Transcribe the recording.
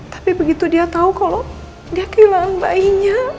tapi begitu dia tahu kalau dia kehilangan bayinya